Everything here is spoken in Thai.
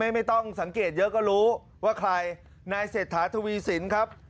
ไม่ต้องสังเกตเยอะก็รู้ว่าใครนายเศรษฐาทวีสินครับ